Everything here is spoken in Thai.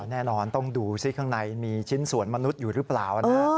แน่นอนต้องดูซิข้างในมีชิ้นส่วนมนุษย์อยู่หรือเปล่านะ